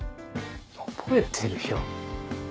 覚えてるよ。